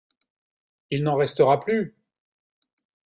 Il n’en restera plus !